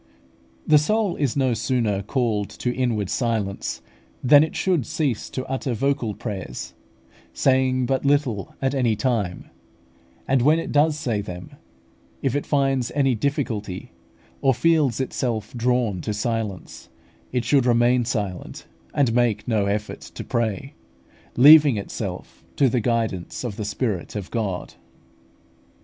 The soul is no sooner called to inward silence, than it should cease to utter vocal prayers; saying but little at any time, and when it does say them, if it finds any difficulty, or feels itself drawn to silence, it should remain silent, and make no effort to pray, leaving itself to the guidance of the Spirit of God.